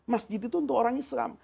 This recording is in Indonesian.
masjid itu untuk orang islam